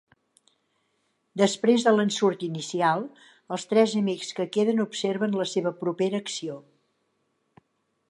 Després de l'ensurt inicial, els tres amics que queden observen la seva propera acció.